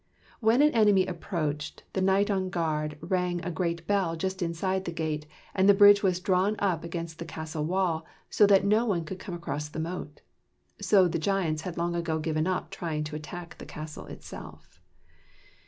When an enemy approached, the knight on guard rang a great bell just inside the gate, and the bridge was drawn up against the castle wall, so that no one could come across the moat. So the giants had long ago given up trying to attack the castle itself.